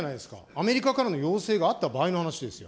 アメリカからの要請があった場合の話ですよ。